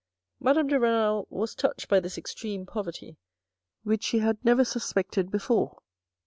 Madame de Renal was touched by this extreme poverty which she had never suspected before.